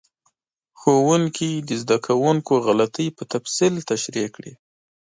ښوونکي د زده کوونکو غلطۍ په تفصیل تشریح کړې.